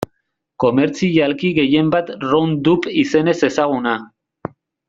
Komertzialki gehien bat Roundup izenez ezaguna.